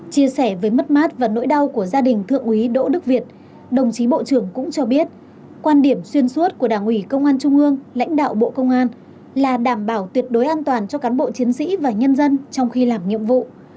chia sẻ với mất mát và nỗi đau của gia đình thượng úy đỗ đức việt đồng chí bộ trưởng cũng cho biết quan điểm xuyên suốt của đảng ủy công an trung ương lãnh đạo bộ công an là đảm bảo tuyệt đối an toàn cho cán bộ chiến sĩ và nhân dân trong khi làm nhiệm vụ